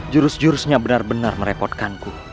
jurus jurusnya benar benar merepotkanku